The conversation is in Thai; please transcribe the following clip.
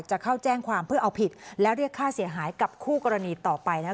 จะเข้าแจ้งความเพื่อเอาผิดและเรียกค่าเสียหายกับคู่กรณีต่อไปนะ